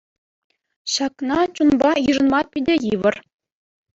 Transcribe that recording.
Ҫакна чунпа йышӑнма питӗ йывӑр.